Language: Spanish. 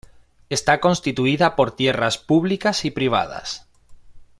Está constituida por tierras públicas y privadas".